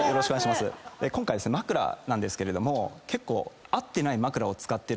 今回枕なんですけれども結構。